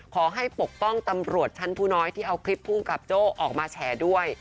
ปกป้องตำรวจชั้นผู้น้อยที่เอาคลิปภูมิกับโจ้ออกมาแฉด้วย